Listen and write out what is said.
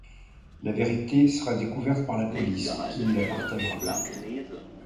La vérité sera découverte par la police qui ne la partagera pas.